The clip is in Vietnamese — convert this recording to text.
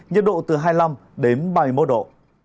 nhiệt độ từ hai mươi năm đến ba mươi một độ